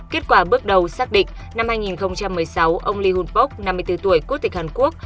kết quả bước đầu xác định năm hai nghìn một mươi sáu ông lee hun pok năm mươi bốn tuổi quốc tịch hàn quốc